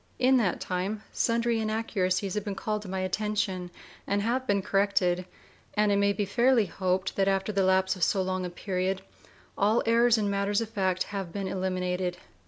In that time sundry inaccuracies have been called to my attention, and have been corrected, and it may be fairly hoped that after the lapse of so long a period all errors in matters of fact have been eliminated.